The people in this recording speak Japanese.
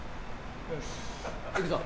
よし行くぞ。